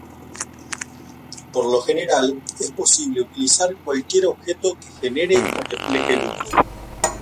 Por lo general, es posible utilizar cualquier objeto que genere o refleje luz.